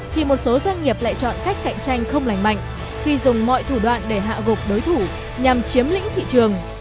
thì một số doanh nghiệp lại chọn cách cạnh tranh không lành mạnh khi dùng mọi thủ đoạn để hạ gục đối thủ nhằm chiếm lĩnh thị trường